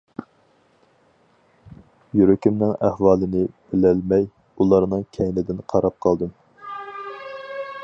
يۈرىكىمنىڭ ئەھۋالىنى بىلەلمەي ئۇلارنىڭ كەينىدىن قاراپ قالدىم.